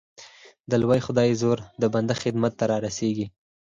د لوی خدای زور د بنده خدمت ته را رسېږي